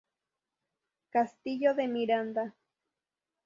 Castillo de Miranda